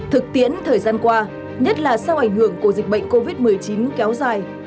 thực tiễn thời gian qua nhất là sau ảnh hưởng của dịch bệnh covid một mươi chín kéo dài